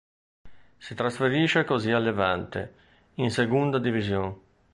Si trasferisce così al Levante, in Segunda División.